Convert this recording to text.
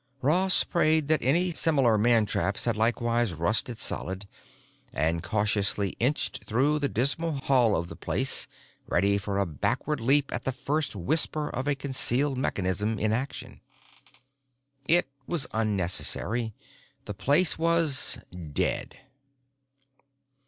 Ross prayed that any similar mantraps had likewise rusted solid, and cautiously inched through the dismal hall of the place, ready for a backward leap at the first whisper of a concealed mechanism in action. It was unnecessary. The place was—dead.